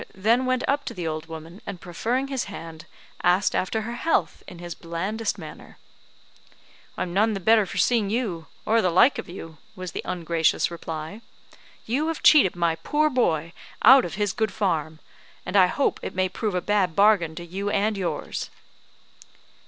then went up to the old woman, and proffering his hand, asked after her health in his blandest manner. "I'm none the better for seeing you, or the like of you," was the ungracious reply. "You have cheated my poor boy out of his good farm; and I hope it may prove a bad bargain to you and yours."